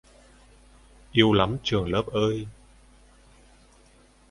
Yêu lắm trường lớp ơi